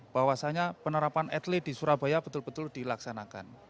bahwasanya penerapan etele di surabaya betul betul dilaksanakan